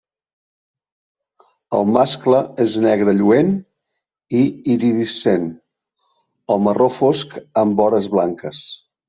El mascle és negre lluent i iridescent o marró fosc amb vores blanques.